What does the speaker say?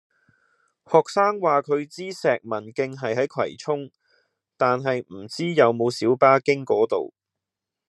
學生話佢知石文徑係喺葵涌，但係唔知有冇小巴經嗰度